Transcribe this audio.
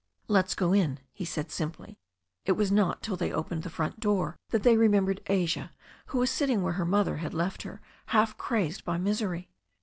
"Let's go in," he said simply. It was not till they opened the front door that they re membered Asia, who was sitting where her mother had left her, half crazed by misery.